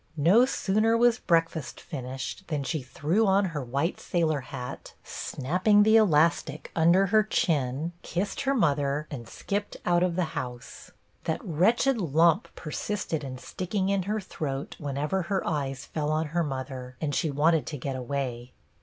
No sooner was break fast finished than she threw on her white sailor hat, snapping the elastic under her chin, kissed her mother, and skipped out of the house. That wretched lump persisted in sticking in her throat whenever her eyes fell on her mother, and she wanted to get away.